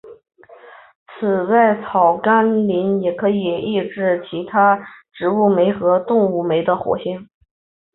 此外草甘膦也可以抑制其他植物酶和动物酶的活性。